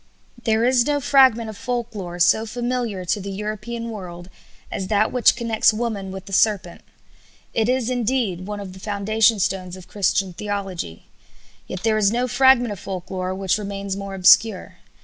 There is no fragment of folk lore so familiar to the European world as that which connects woman with the serpent. It is, indeed, one of the foundation stones of Christian theology. Yet there is no fragment of folk lore which remains more obscure.